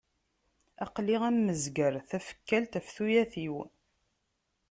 Aql-i am uzger, tafekkalt ɣef tuyat-iw.